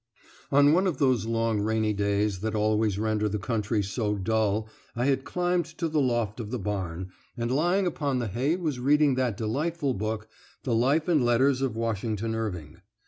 On one of those long rainy days that always render the country so dull I had climbed to the loft of the barn, and lying upon the hay was reading that delightful book "The Life and Letters of Washington Irving."